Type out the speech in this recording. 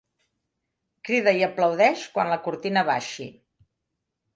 Crida i aplaudeix quan la cortina baixi.